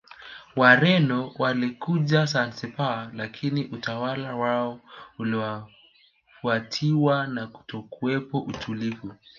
Wareno walikuja Zanzibar lakini utawala wao ulifuatiwa na kutokuwepo utulivu